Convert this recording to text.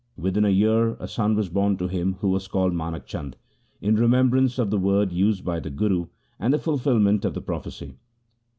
Within a year a son was born to him who was called Manak Chand, in remembrance of the word used by the Guru and the fulfilment of the prophecy.